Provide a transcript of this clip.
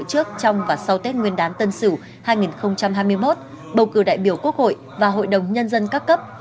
trước trong và sau tết nguyên đán tân sửu hai nghìn hai mươi một bầu cử đại biểu quốc hội và hội đồng nhân dân các cấp